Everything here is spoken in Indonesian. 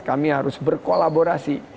kami harus berkolaborasi